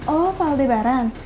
oh pak aldebaran